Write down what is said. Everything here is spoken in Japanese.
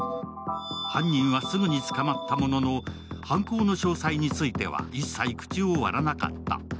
犯人はすぐに捕まったものの、犯行の詳細については一切口を割らなかった。